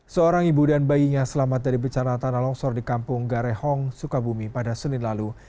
seorang ibu dan bayinya selamat dari bencana tanah longsor di kampung garehong sukabumi pada senin lalu